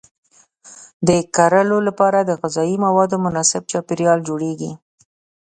د کرلو لپاره د غذایي موادو مناسب چاپیریال جوړیږي.